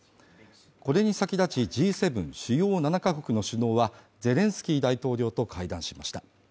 これに先立ちＧ７＝主要７カ国の首脳は、ゼレンスキー大統領と会談しました。